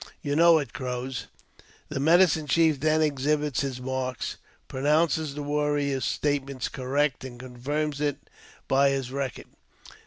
You know it, Crows." The medicine chief then exhibits his marks, pronounces the warrior's statement correct, and confirms it by his record.